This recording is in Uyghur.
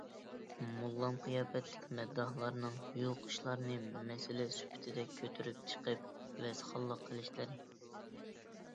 موللام قىياپەتلىك مەدداھلارنىڭ يوق ئىشلارنى مەسىلە سۈپىتىدە كۆتۈرۈپ چىقىپ ۋەزخانلىق قىلىشلىرى